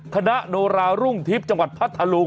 โนรารุ่งทิพย์จังหวัดพัทธลุง